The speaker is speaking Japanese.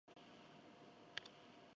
ｊ ど ｓｓ